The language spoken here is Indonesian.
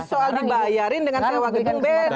soal dibayarin dengan sewa gedung beda